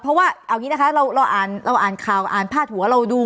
เพราะว่าเอาอย่างนี้นะคะเราอ่านเราอ่านข่าวอ่านพาดหัวเราดู